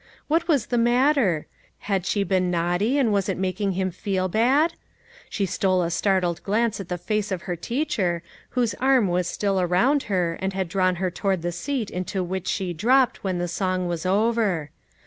What was the matter ? Had she been naughty, and was it making him feel bad? She stole a startled glance at the face of her teacher, whose arm was still around her and had drawn her to ward the seat into which she dropped, when the song was over.